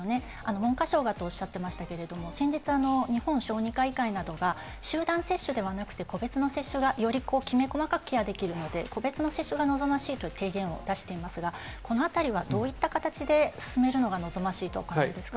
文科省がとおっしゃっていましたけど、先日、日本小児科医会などが集団接種ではなくて、個別の接種がよりきめ細かくケアできるので、個別の接種が望ましいという提言を出していますが、このあたりはどういった形で進めるのが望ましいとお考えですか？